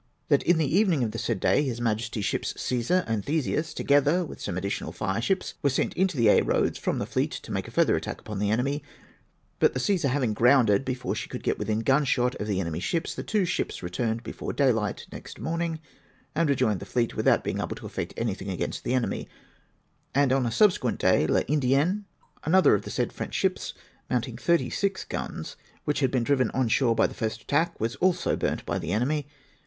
That in the evening of the said day His Majesty's ships Ccvsar and Theseus, together with some additional fireships Avere sent into Aix Eoads from the fleet to make a further attack upon the enemy; but tlie Caesar having grounded before she could get within gim shot of the enemy's ships, the said two ships returned before daylight next morning and rejoined the fleet without being able to effect anything against the enemy, and on a subsequent day U IndAenne , another of the said French ships, mounting 36 guns, Avhich had been driven on shore by the first attack, w^as also burnt by the enemy.